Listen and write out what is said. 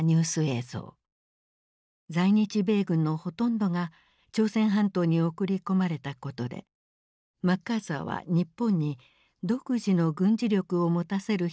在日米軍のほとんどが朝鮮半島に送り込まれたことでマッカーサーは日本に独自の軍事力を持たせる必要に迫られた。